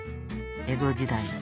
江戸時代。